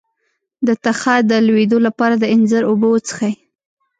د تخه د لوییدو لپاره د انځر اوبه وڅښئ